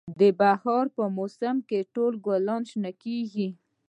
د بهار په موسم کې ټول ګلونه شنه کیږي